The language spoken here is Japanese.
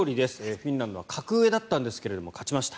フィンランドは格上だったんですが勝ちました。